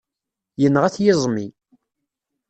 Yenɣa-t yiẓmi.